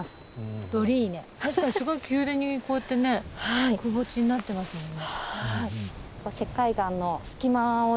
確かにすごい急でこうやってくぼ地になってますもんね。